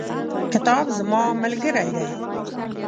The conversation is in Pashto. کتاب زما ملګری دی.